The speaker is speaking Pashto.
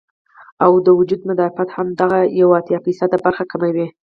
او د وجود مدافعت هم دغه بره اتيا فيصده برخه کموي